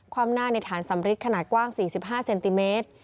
ความหน้าในฐานสำริดขนาดกว้าง๔๕เซนติเมตร